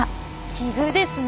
奇遇ですね。